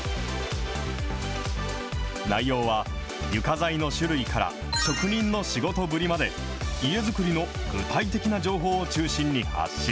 内容は、床材の種類から職人の仕事ぶりまで、家づくりの具体的な情報を中心に発信。